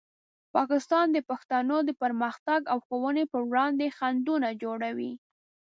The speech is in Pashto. پاکستان د پښتنو د پرمختګ او ښوونې په وړاندې خنډونه جوړوي.